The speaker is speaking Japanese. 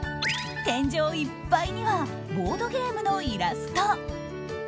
天井いっぱいにはボードゲームのイラスト。